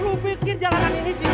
lu pikir jalanan ini sih